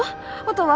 音は？